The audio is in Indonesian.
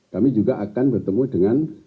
kami juga akan bertemu dengan